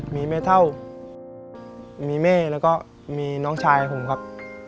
มีแม่เท่ามีแม่แล้วก็มีน้องชายผมครับ